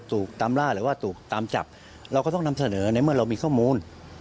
ถูกตามล่าหรือว่าถูกตามจับเราก็ต้องนำเสนอในเมื่อเรามีข้อมูล